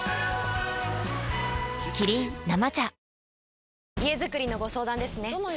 キリン「生茶」